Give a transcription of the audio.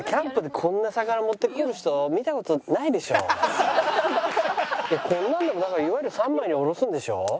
こんなんでもだからいわゆる三枚におろすんでしょ？